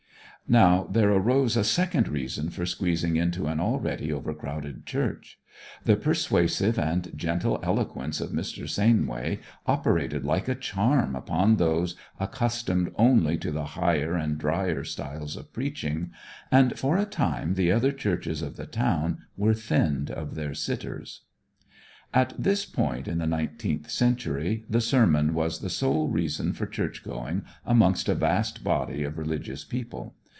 Now there arose a second reason for squeezing into an already overcrowded church. The persuasive and gentle eloquence of Mr. Sainway operated like a charm upon those accustomed only to the higher and dryer styles of preaching, and for a time the other churches of the town were thinned of their sitters. At this point in the nineteenth century the sermon was the sole reason for churchgoing amongst a vast body of religious people.